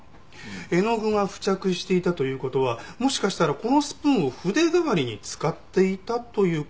絵の具が付着していたという事はもしかしたらこのスプーンを筆代わりに使っていたという事でしょうか？